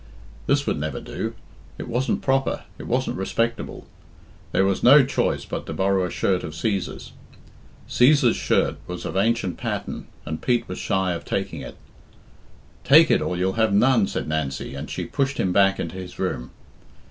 This would never do. It wasn't proper, it wasn't respectable. There was no choice but to borrow a shirt of Cæsar's. Cæsar's shirt was of ancient pattern, and Pete was shy of taking it. "Take it, or you'll have none," said Nancy, and she pushed him back into his room.